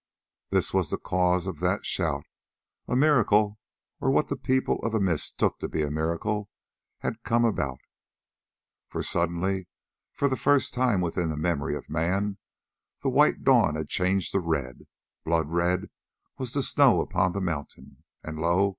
This was the cause of that shout: a miracle, or what the People of the Mist took to be a miracle, had come about; for suddenly, for the first time within the memory of man, the white dawn had changed to red. Blood red was the snow upon the mountain, and lo!